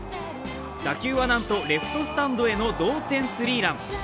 打球はなんとレフトスタンドへの同点スリーラン。